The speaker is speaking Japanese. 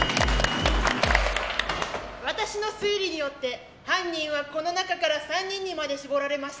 私の推理によって犯人はこの中から３人にまで絞られました。